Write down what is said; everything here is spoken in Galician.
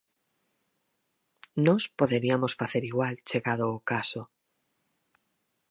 Nós poderiamos facer igual, chegado o caso.